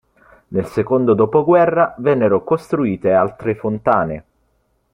Nel secondo dopoguerra vennero costruite altre fontane.